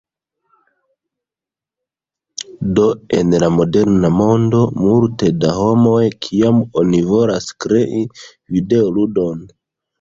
Do en la moderna mondo multe da homoj, kiam oni volas krei videoludon